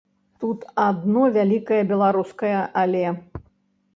Тут адно вялікае беларускае але!